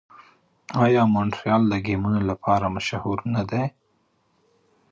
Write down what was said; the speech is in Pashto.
آیا مونټریال د ګیمونو لپاره مشهور نه دی؟